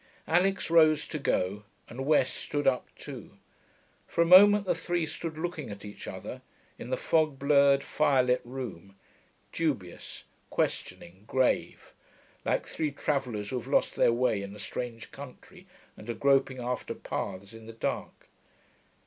Alix rose to go, and West stood up too. For a moment the three stood looking at each other in the fog blurred, firelit room, dubious, questioning, grave, like three travellers who have lost their way in a strange country and are groping after paths in the dark....